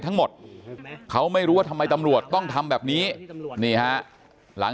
ทั้งหมดเขาไม่รู้ว่าทำไมตำรวจต้องทำแบบนี้นี่ฮะหลัง